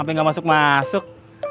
sampe gak masuk masuk